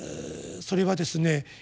それはですね